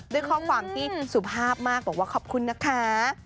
ด้วยข้อความที่สุภาพมากบอกว่าขอบคุณนะคะ